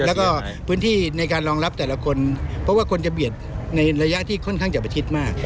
แล้วก็พื้นที่ในการรองรับแต่ละคนเพราะว่าคนจะเบียดในระยะที่ค่อนข้างจะประชิดมาก